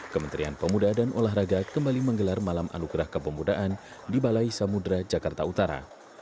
kementerian pemuda dan olahraga kembali menggelar malam anugerah kepemudaan di balai samudera jakarta utara